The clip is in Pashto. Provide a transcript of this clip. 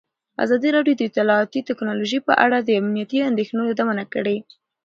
ازادي راډیو د اطلاعاتی تکنالوژي په اړه د امنیتي اندېښنو یادونه کړې.